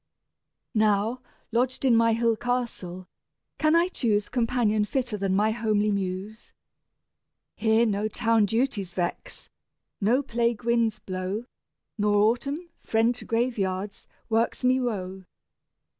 Now, lodged in my hill castle, can I choose Companion fitter than my homely Muse? Here no town duties vex, no plague winds blow, Nor Autumn, friend to graveyards, works me woe.